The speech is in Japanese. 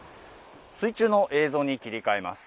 水中の映像に切り替えます。